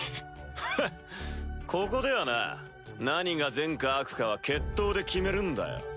ここではな何が善か悪かは決闘で決めるんだよ。